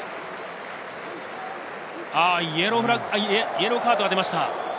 イエローカードが出ました。